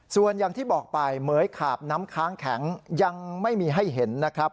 ส่วนอย่างที่บอกไปเหมือยขาบน้ำค้างแข็งยังไม่มีให้เห็นนะครับ